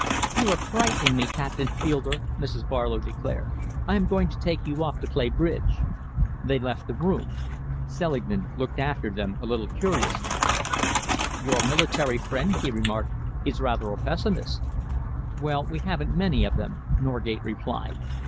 "You are frightening me, Captain Fielder," Mrs. Barlow declared. "I am going to take you off to play bridge." They left the room. Selingman looked after them a little curiously. "Your military friend," he remarked, "is rather a pessimist." "Well, we haven't many of them," Norgate replied.